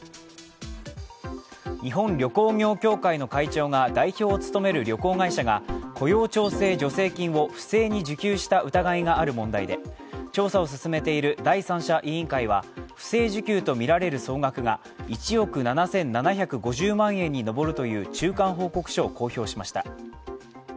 日本旅行業協会の会長が代表を務める旅行会社が雇用調整助成金を不正に受給した疑いがある問題で、調査を進めている第三者委員会は不正受給とみられる総額が１億７７５０万円に上るという中間報告を公表しました。